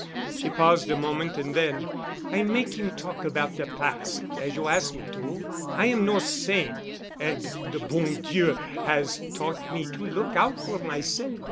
She paused a moment and then, "I make him talk about de past, as you ask' me to. I am no saint and de bon Dieu has taught me to look out for myself.